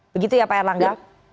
begitu ya pak elangga